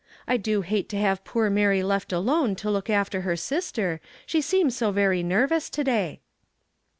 I do hate to have poor :Mary left alone to look after her sister, she seems so very Jiervous to day."